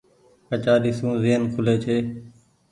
ڪچآري سون زين کولي ڇي۔